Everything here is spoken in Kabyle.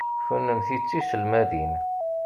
Kennemti d tiselmadin.